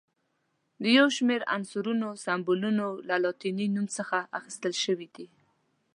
د یو شمېر عنصرونو سمبولونه له لاتیني نوم څخه اخیستل شوي دي.